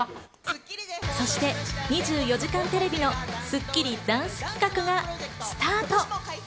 そして『２４時間テレビ』の『スッキリ』ダンス企画がスタート。